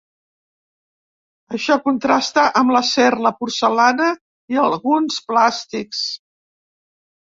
Això contrasta amb l’acer, la porcellana i alguns plàstics.